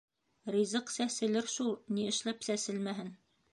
— Ризыҡ сәселер шул, ни эшләп сәселмәһен.